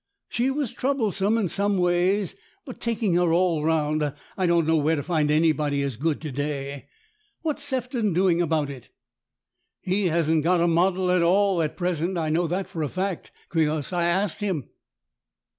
She was troublesome in some ways, but, taking her all round, I don't know where to find anybody as good to day. What's Sefton doing about it ?"" He hasn't got a model at all at present. I know that for a fact, because I asked him."